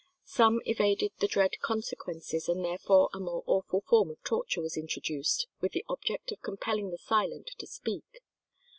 Some evaded the dread consequences, and therefore a more awful form of torture was introduced with the object of compelling the silent to speak.